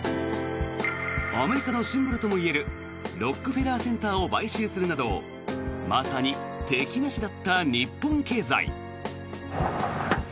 アメリカのシンボルともいえるロックフェラー・センターを買収するなどまさに敵なしだった日本経済。